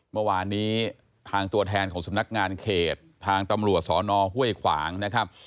เมื่อวานนี้ทางตัวแทนของสำนักงานเขตทางตำรวจสอนอห้วยขวางนะครับ